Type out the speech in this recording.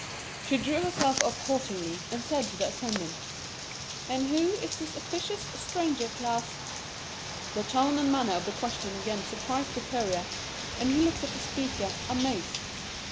She drew herself up haughtily and said to the attendant: "And who is this officious stranger, Klas?" The tone and manner of the question again surprised the courier, and he looked at the speaker, amazed.